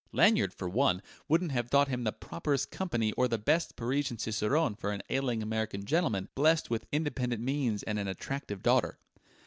Lanyard, for one, wouldn't have thought him the properest company or the best Parisian cicerone for an ailing American gentleman blessed with independent means and an attractive daughter.